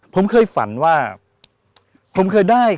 ผมเคยฝันว่า